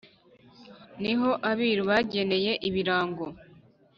niho abiru bageneye ibirango